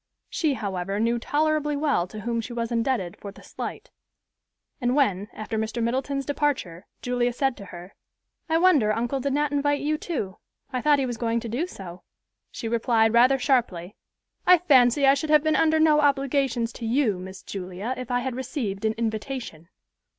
She, however, knew tolerably well to whom she was indebted for the slight; and when, after Mr. Middleton's departure, Julia said to her, "I wonder uncle did not invite you, too; I thought he was going to do so," she replied, rather sharply, "I fancy I should have been under no obligations to you, Miss Julia, if I had received an invitation."